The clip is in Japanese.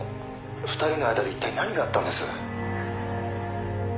「２人の間で一体何があったんです？」